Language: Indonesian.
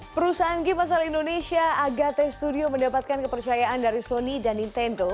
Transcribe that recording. perusahaan game asal indonesia agate studio mendapatkan kepercayaan dari sony dan nintendo